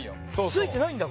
付いてないんだ